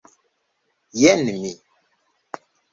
Jen mi!